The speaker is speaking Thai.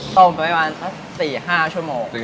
ต้มไปประมาณสัก๔๕ชั่วโมง